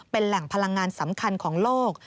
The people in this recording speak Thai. เป็นแหล่งพลังงานสำคัญของโลก